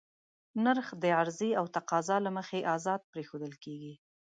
نرخ د عرضې او تقاضا له مخې ازاد پرېښودل کېږي.